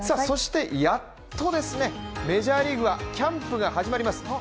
そして、やっとメジャーリーグがキャンプが始まります。